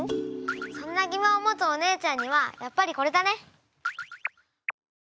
そんなぎもんを持つお姉ちゃんにはやっぱりこれだね。